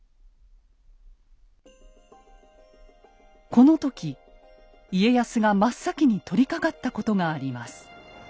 この時家康が真っ先に取りかかったことがあります。